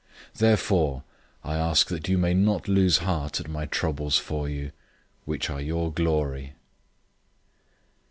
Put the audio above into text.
003:013 Therefore I ask that you may not lose heart at my troubles for you, which are your glory.